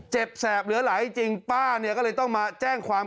แสบเหลือไหลจริงป้าเนี่ยก็เลยต้องมาแจ้งความ